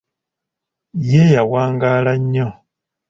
Ye yawangaala nnyo.